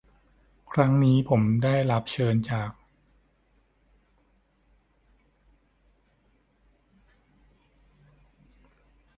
ครั้งนี้ผมได้รับเชิญจาก